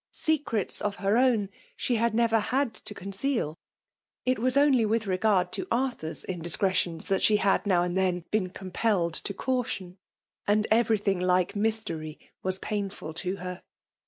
Secrets of her own she had never had to con ceal;— it was only with reg^ard to Arthurs in discretions that she had now and then been compelled to caution; and every thing like mystery was painful to her.